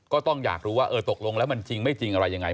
ก็ต้องอยากรู้ว่าเออตกลงแล้วมันจริงไม่จริงอะไรยังไง